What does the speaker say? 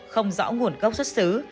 không rõ nguồn gốc xuất xứ